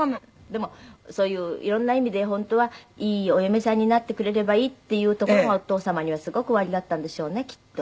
でもそういう色んな意味で本当はいいお嫁さんになってくれればいいっていうところがお父様にはすごくおありだったんでしょうねきっと。